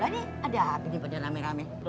jadi ada apa ini pada rame rame